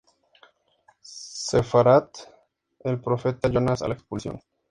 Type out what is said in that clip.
Sefarad: del profeta Jonás a la expulsión.